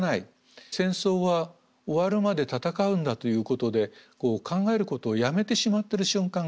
戦争は終わるまで戦うんだということで考えることをやめてしまってる瞬間がある。